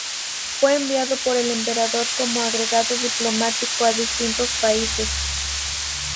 Fue enviado por el emperador como agregado diplomático a distintos países.